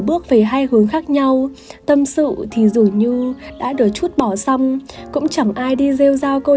bước về hai hướng khác nhau tâm sự thì dù như đã được chút bỏ xong cũng chẳng ai đi rêu rao câu